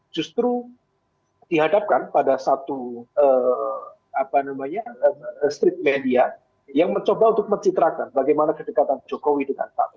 justru dihadapkan pada satu street media yang mencoba untuk mencitrakan bagaimana kedekatan jokowi dengan pak prabowo